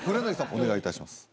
お願いいたします